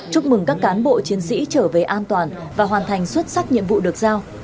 chúc mừng các cán bộ chiến sĩ trở về an toàn và hoàn thành xuất sắc nhiệm vụ được giao